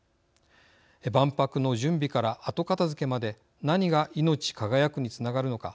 万博の準備から後片づけまで何がいのち輝くにつながるのか。